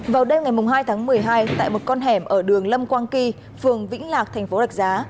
vào đêm ngày hai tháng một mươi hai tại một con hẻm ở đường lâm quang kỳ phường vĩnh lạc thành phố rạch giá